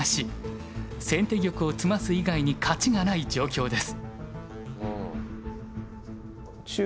先手玉を詰ます以外に勝ちがない状況です。